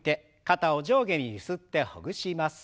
肩を上下にゆすってほぐします。